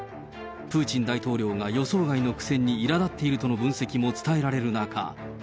プーチン大統領が予想外の苦戦にいらだっているとの分析も伝えられる中。